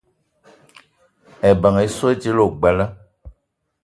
Ebeng essoe dila ogbela